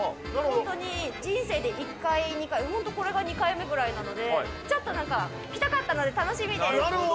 本当に人生で１回、２回、本当これが２回目ぐらいなので、ちょっとなんか、来たかったので、なるほど。